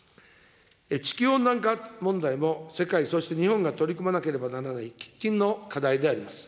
地球温暖化問題も世界、そして日本が取り組まなければならない喫緊の課題であります。